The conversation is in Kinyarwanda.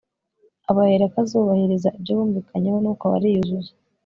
abarahira ko azubahiriza ibyo bumvikanyeho, nuko bariyuzuza